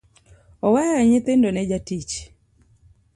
Oweyo nyithindo ne jatich.